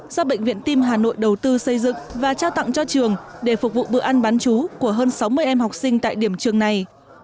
do bệnh viện tim hà nội đầu tư xây dựng và trao tặng cho trường để phục vụ bữa ăn bán chú của hơn sáu mươi em học sinh tại điểm trường này